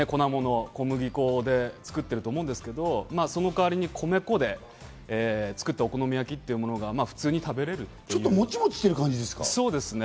これは普通は粉もの、小麦粉で作ってると思うんですけど、その代わりに米粉で作ったお好み焼きというものが普通に食べられもちもちしてる感じですか？